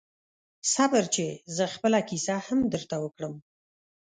صبر چې زه خپله کیسه هم درته وکړم